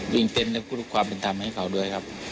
เรื่องเต็มในทุกความเป็นธรรมให้เขาด้วยครับ